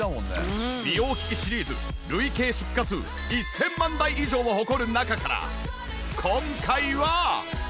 美容機器シリーズ累計出荷数１０００万台以上を誇る中から今回は。